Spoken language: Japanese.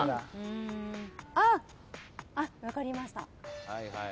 あっ分かりました。